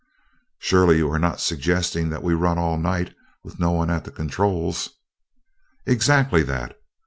"Surely you are not suggesting that we run all night with no one at the controls?" "Exactly that.